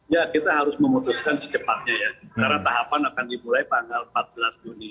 ya kita harus memutuskan secepatnya ya karena tahapan akan dimulai tanggal empat belas juni